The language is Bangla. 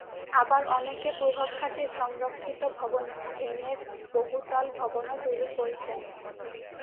আবার অনেকে প্রভাব খাটিয়ে সংরক্ষিত ভবন ভেঙে বহুতল ভবনও তৈরি করেছেন।